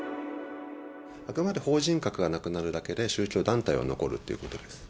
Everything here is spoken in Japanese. あくまで法人格がなくなるだけで、宗教団体は残るっていうことです。